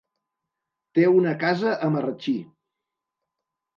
Té una casa a Marratxí.